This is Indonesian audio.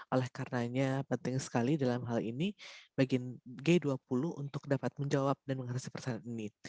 oleh karenanya penting sekali dalam hal ini bagi g dua puluh untuk dapat menjawab dan mengatasi persoalan ini